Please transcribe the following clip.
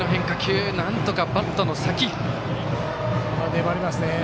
粘りますね。